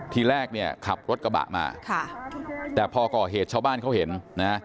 ทีแรกเนี่ยขับรถกระบะมาค่ะแต่พอก่อเหตุชาวบ้านเขาเห็นนะ